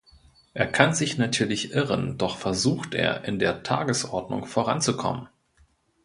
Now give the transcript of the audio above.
Er kann sich natürlich irren, doch versucht er, in der Tagesordnung voranzukommen.